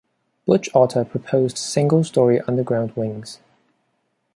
"Butch" Otter proposed single-story underground wings.